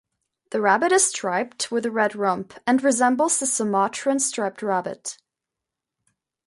The rabbit is striped, with a red rump, and resembles the Sumatran striped rabbit.